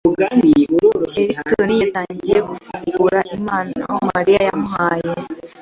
Elton yatangiye gufungura impano Mariya yamuhaye.